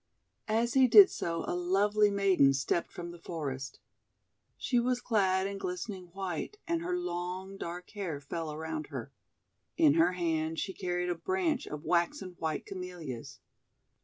As he did so, a lovely maiden stepped from the forest. She was clad in glistening white, and her long dark hair fell around her. In her hand she carried a branch of waxen white Camellias.